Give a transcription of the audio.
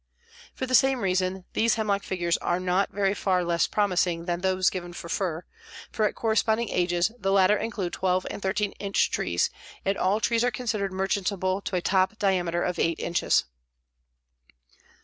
For the same reason these hemlock figures are not very far less promising than those given for fir, for at corresponding ages the latter include 12 and 13 inch trees and all trees are considered merchantable to a top diameter of 8 inches.